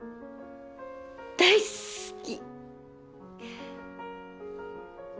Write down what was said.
大好き！